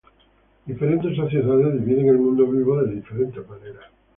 Diferentes sociedades dividen el mundo vivo de diferentes maneras.